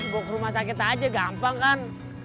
gue ke rumah sakit aja gampang kan